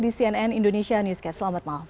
di cnn indonesia newscast selamat malam